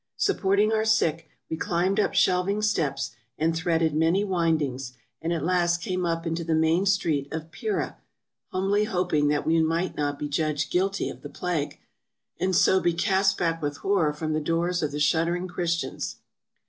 Supporting our sick, we climbed up shelving steps, and threaded many windings, and at last came up into the main street of Pera, humbly hoping that we might not be judged guilty of the plague, and so be cast back with horror from the doors of the shuddering Christians.